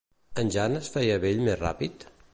En Jan es feia vell més ràpid?